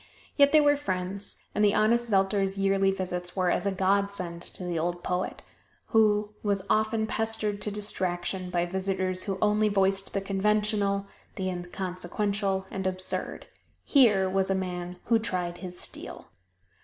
Yet they were friends, and the honest Zelter's yearly visits were as a godsend to the old poet, who was often pestered to distraction by visitors who only voiced the conventional, the inconsequential and absurd. Here was a man who tried his steel.